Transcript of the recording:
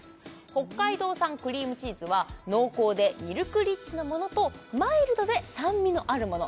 北海道産クリームチーズは濃厚でミルクリッチなものとマイルドで酸味のあるもの